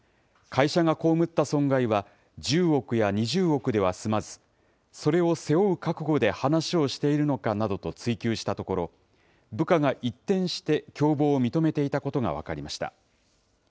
会社が被った損害は、１０億や２０億では済まず、それを背負う覚悟で話をしているのかなどと追及したところ、部下が一転して共謀を認めていたことが分かりました。